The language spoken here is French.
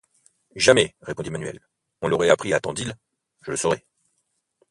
Jamais, répondit Manuel,... on l’aurait appris à Tandil,... je le saurais...